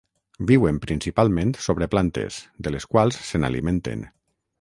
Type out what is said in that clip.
Viuen principalment sobre plantes, de les quals se n'alimenten.